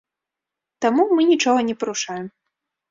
Таму мы нічога не парушаем.